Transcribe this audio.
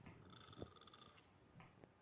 Kattaqo‘rg‘onliklar “Save aral”da qatnashding